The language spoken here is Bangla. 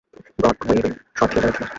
ব্রডওয়ের সব থিয়েটারের থেকে।